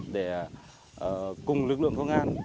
để cùng lực lượng công an